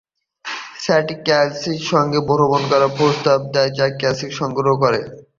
Sally ক্যাসির সঙ্গে ভ্রমণ করার প্রস্তাব দেয়, যা ক্যাসি গ্রহণ করে।